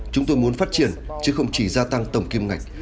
chúng tôi muốn phát triển chứ không chỉ gia tăng tổng kim ngạch